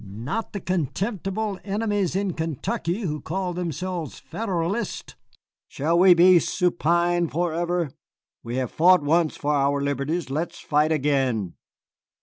Not the contemptible enemies in Kentucky who call themselves Federalists. Shall we be supine forever? We have fought once for our liberties, let us fight again.